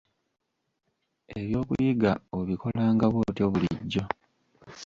Eby'okuyiga obikolanga bw'otyo bulijjo.